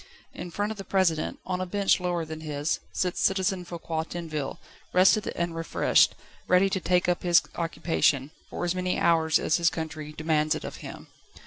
In front of the President, on a bench lower than his, sits Citizen Foucquier Tinville, rested and refreshed, ready to take up his occupation, for as many hours as his country demands it of him.